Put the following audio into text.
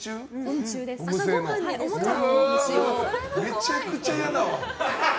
めちゃくちゃ嫌だわ。